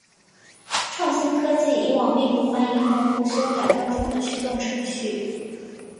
创新科技以往并不欢迎用户修改官方的驱动程序。